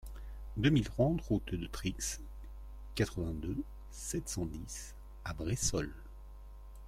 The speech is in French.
deux mille trente route de Trixe, quatre-vingt-deux, sept cent dix à Bressols